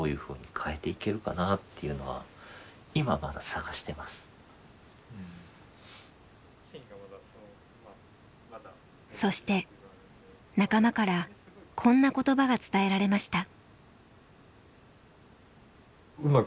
そうですねそして仲間からこんな言葉が伝えられました。